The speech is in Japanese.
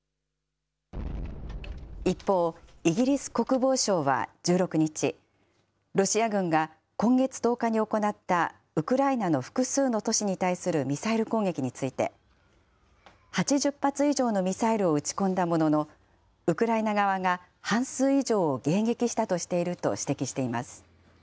一方、イギリス国防省は１６日、ロシア軍が今月１０日に行った、ウクライナの複数の都市に対するミサイル攻撃について、８０発以上のミサイルを撃ち込んだものの、ウクライナ側が半数以上を迎撃したとしていると指摘しています。